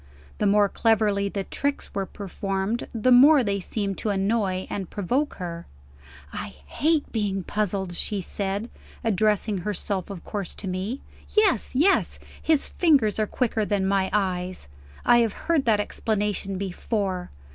The more cleverly the tricks were performed, the more they seemed to annoy and provoke her. "I hate being puzzled!" she said, addressing herself of course to me. "Yes, yes; his fingers are quicker than my eyes I have heard that explanation before.